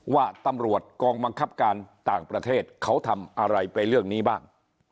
ว่าตำรวจกองบังคับการต่างประเทศเขาทำอะไรไปเรื่องนี้บ้าง